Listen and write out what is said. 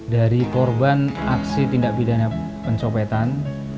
dari korban aksi tindak pidana pencopetan